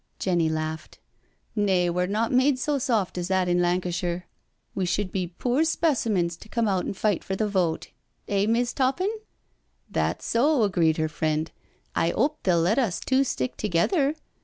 Jenny laughed: "Nay, we're not made so soft as that in Lancashire. We should be poor specimens to come out and fight for the vote— ^, Miss' Toppin?" " That's so," agreed her friend. " I 'ope they'll let us two stick together?"